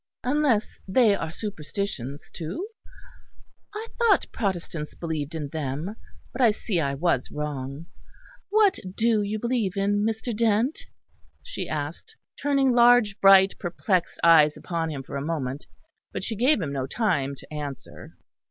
Unless they are superstitions, too? I thought Protestants believed in them; but I see I was wrong. What do you believe in, Mr. Dent?" she asked, turning large, bright, perplexed eyes upon him for a moment: but she gave him no time to answer.